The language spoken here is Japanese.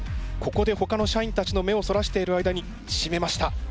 ここでほかの社員たちの目をそらしている間にしめました。